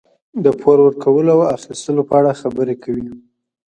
د پور ورکولو او اخیستلو په اړه خبرې کوي.